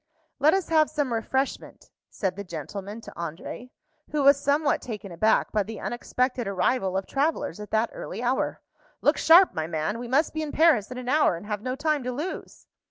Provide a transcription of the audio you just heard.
"Let us have some refreshment," said the gentleman to André, who was somewhat taken aback by the unexpected arrival of travellers at that early hour. "Look sharp, my man! We must be in Paris in an hour, and have no time to lose."